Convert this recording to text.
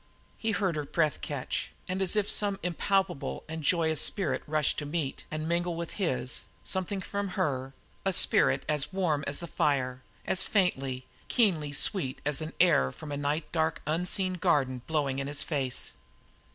He heard her breath catch, and as if some impalpable and joyous spirit rushed to meet and mingle with his, something from her, a spirit as warm as the fire, as faintly, keenly sweet as an air from a night dark, unseen garden blowing in his face.